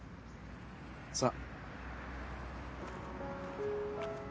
さあ。